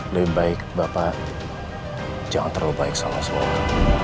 lebih baik bapak jangan terlalu baik sama semua orang